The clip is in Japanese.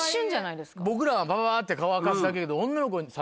僕らはバババって乾かすだけやけど。